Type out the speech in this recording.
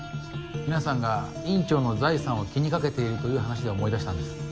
皆さんが院長の財産を気に掛けているという話で思い出したんです。